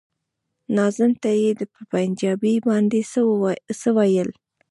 ناظم ته يې په پنجابي باندې څه ويل.